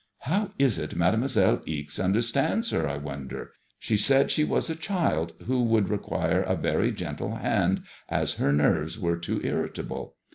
How is it Mademoiselle Ixe understands her, I wonder ? She said she was a child who would require a very gentle hand, as her nerves were too irritable."